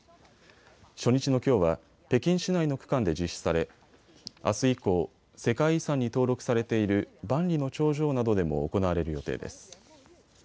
初日のきょうは北京市内の区間で実施されあす以降、世界遺産に登録されている万里の長城などでも行われる予定です。